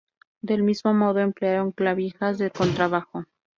Del mismo modo, emplearon clavijas de contrabajo.